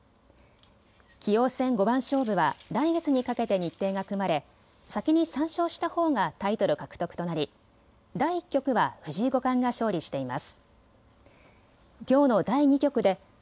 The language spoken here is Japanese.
棋王戦五番勝負は来月にかけて日程が組まれ、先に３勝したほうがタイトル獲得となり第１局は藤井五冠が勝利しています。